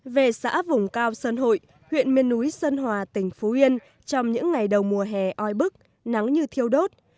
về xã vùng cao sơn hội huyện miền núi sơn hòa tỉnh phú yên trong những ngày đầu mùa hè oi bức nắng như thiêu đốt